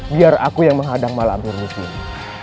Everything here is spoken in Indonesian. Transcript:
biar aku yang menghadang mak lampir disini